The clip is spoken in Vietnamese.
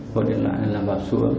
gọi điện lại là gọi xuống